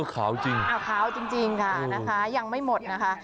ขาวจริงขาวจริงค่ะนะคะยังไม่หมดนะคะ